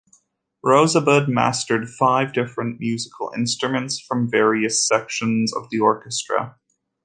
Rosbaud mastered five different musical instruments, from various sections of the orchestra.